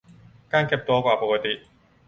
การเก็บตัวกว่าปกติ